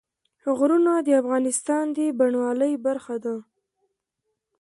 غرونه د افغانستان د بڼوالۍ برخه ده.